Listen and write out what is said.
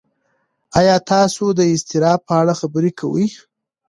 ایا تاسو د اضطراب په اړه خبرې کوئ؟